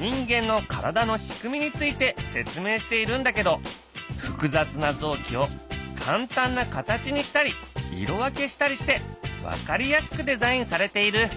人間の体の仕組みについて説明しているんだけど複雑な臓器を簡単な形にしたり色分けしたりして分かりやすくデザインされている。